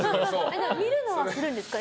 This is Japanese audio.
でも、見るのはするんですか？